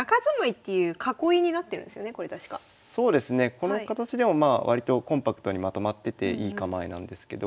この形でもまあ割とコンパクトにまとまってていい構えなんですけど。